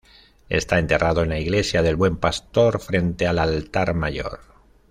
Está enterrado en la Iglesia del Buen Pastor, frente al altar mayor.